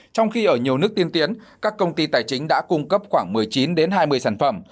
trong khi ở nhiều nước tiên tiến các công ty tài chính đã cung cấp khoảng một mươi chín hai mươi sản phẩm